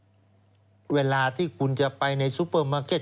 มาจากคอนเซปต์ที่ว่าเวลาที่คุณจะไปในซูเปอร์มาร์เก็ต